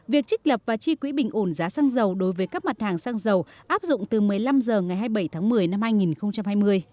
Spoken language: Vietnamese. việc trích lập và chi quỹ bình ổn giá xăng dầu đối với các mặt hàng xăng dầu áp dụng từ một mươi năm h ngày hai mươi bảy tháng một mươi năm hai nghìn hai mươi